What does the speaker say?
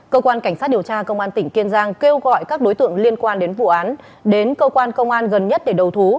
cơ quan cảnh sát điều tra công an tỉnh kiên giang kêu gọi các đối tượng liên quan đến vụ án đến cơ quan công an gần nhất để đầu thú